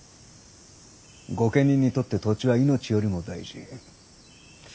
御家人にとって土地は命よりも大事。